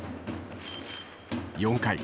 ４回。